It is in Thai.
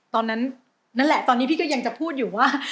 นั่นแหละตอนนี้พี่ก็ยังจะพูดอยู่ว่า